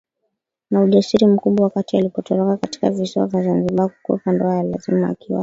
na ujasiri mkubwa wakati alipotoroka katika visiwa vya Zanzibar kukwepa ndoa ya lazima akiwa